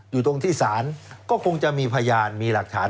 อยู่ตรงที่ศาลก็คงจะมีพยานมีหลักฐาน